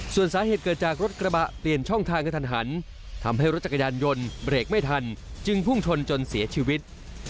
ส่วนสาเหตุเกิดจากรถกระบะเปลี่ยนช่องทางกระทันหันทำให้รถจักรยานยนต์เบรกไม่ทันจึงพุ่งชนจนเสียชีวิต